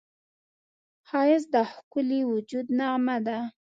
ښایست د ښکلي وجود نغمه ده